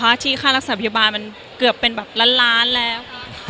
เพราะค่ะที่ค่ารักษาพยาบาลมันเกือบเป็นแบบล้านล้านแล้ว